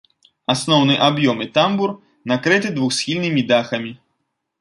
Асноўны аб'ём і тамбур накрыты двухсхільнымі дахамі.